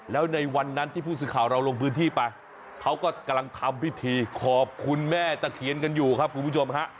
แล้วในวันนั้นที่ผู้สื่อข่าวเราลงพื้นที่ไปเขาก็กำลังทำพิธีขอบคุณแม่ตะเคียนกันอยู่ครับคุณผู้ชมฮะ